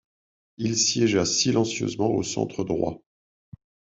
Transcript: Il siégea silencieusement au centre droit.